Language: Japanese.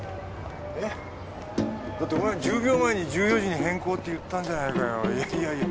えっ？だってお前１０秒前に１４時に変更って言ったんじゃないかよ。